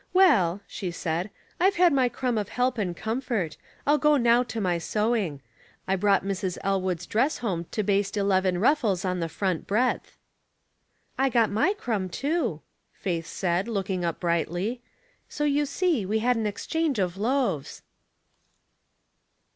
" Well/' Bhe said, " I've had my crumb of help and com fort; ril go now to my sewing. I brought Mrs. El wood's dress home to baste eleven ruffles on the front breadth." " I got my crumb, too," Faith said, looking up brightly. "So you see we had an exchangr of loaves."